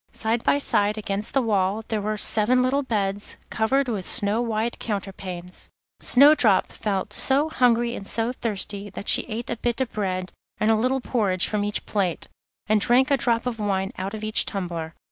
Side by side against the wall there were seven little beds, covered with snow white counterpanes. Snowdrop felt so hungry and so thirsty that she ate a bit of bread and a little porridge from each plate, and drank a drop of wine out of each tumbler.